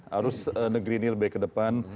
harus negeri ini lebih ke depan